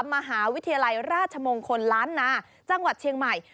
มหาวิทยาลัยราชมงคลล้านนาจังหวัดเชียงใหม่